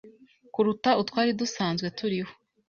kuruta utwari dusanzwe turiho